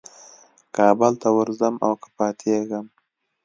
کابل ته ورځم او که پاتېږم.